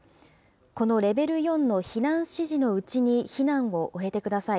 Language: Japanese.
このレベル４の避難指示のうちに避難を終えてください。